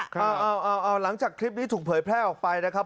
เอาหลังจากคลิปนี้ถูกเผยแพร่ออกไปนะครับ